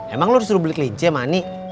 emang lo disuruh beli kelinci sama ani